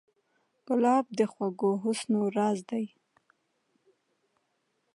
ګلاب د خوږو حسونو راز دی.